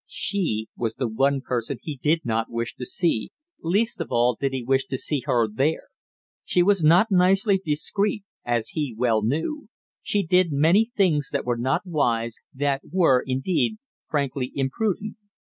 She was the one person he did not wish to see, least of all did he wish to see her there. She was not nicely discreet, as he well knew. She did many things that were not wise, that were, indeed, frankly imprudent.